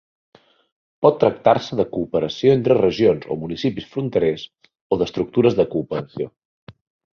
Pot tractar-se de cooperació entre regions o municipis fronterers o d'estructures de cooperació.